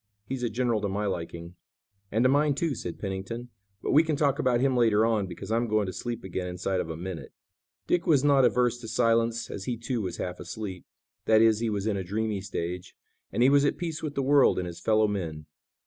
He's a general to my liking." "And to mine, too," said Pennington, "but we can talk about him later on, because I'm going to sleep again inside of a minute." Dick was not averse to silence, as he, too, was half asleep; that is, he was in a dreamy stage, and he was at peace with the world and his fellow men.